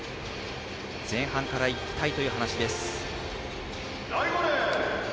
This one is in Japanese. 前半からいきたいという話です。